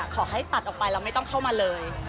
ขอให้ตัดออกไปแล้วไม่ต้องเข้ามาเลย